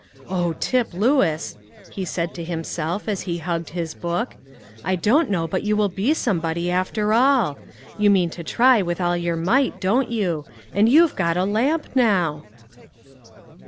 "Oh, Tip Lewis," he said to himself, as he hugged his book, "I don't know but you will be somebody, after all; you mean to try with all your might, don't you? and you've got a lamp now!"